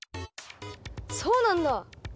そうなんだ！